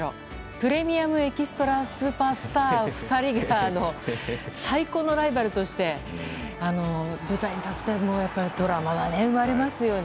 プレミアムエキストラスーパースター２人が最高のライバルとして舞台に立つというのはやっぱりドラマが生まれますね。